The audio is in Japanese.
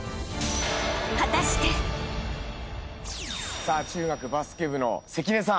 さあ中学バスケ部の関根さん。